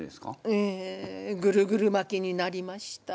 ええぐるぐるまきになりました。